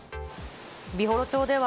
美幌町では、